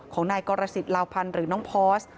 ของนายกรสิทธาวพันธ์หรือน้องพอร์ส